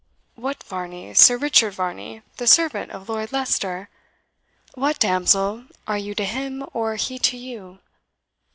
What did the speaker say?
"What, Varney Sir Richard Varney the servant of Lord Leicester! what, damsel, are you to him, or he to you?"